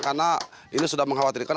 karena ini sudah mengkhawatirkan